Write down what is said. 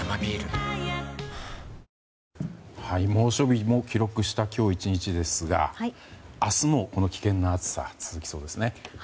猛暑日も記録した今日１日ですが明日もこの危険な暑さが続きそうですね。